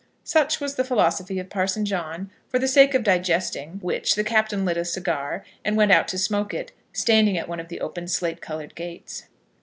Such was the philosophy of Parson John, for the sake of digesting which the captain lit a cigar, and went out to smoke it, standing at one of the open slate coloured gates.